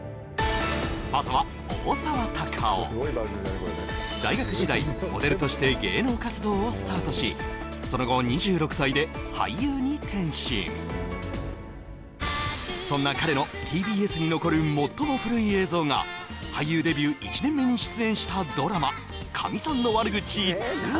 まずは大学時代モデルとして芸能活動をスタートしその後転身そんな彼のＴＢＳに残る最も古い映像が俳優デビュー１年目に出演したドラマ